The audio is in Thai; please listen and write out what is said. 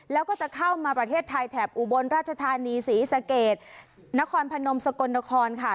แล้วก็จะเข้ามาประเทศไทยแถบอุบลราชธานีศรีสะเกดนครพนมสกลนครค่ะ